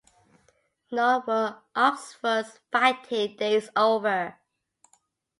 Nor were Oxford's fighting days over.